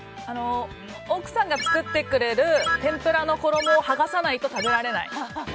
奥さんが作ってくれる天ぷらの衣を剥がさないと食べられない。